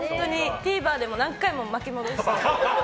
ＴＶｅｒでも何回も巻き戻しました。